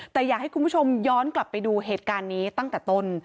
แต่อยากให้คุณผู้ชมย้อนกลับไปดูเหตุการณ์นี้ตั้งแต่ต้น